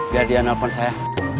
biar dia nelfon saya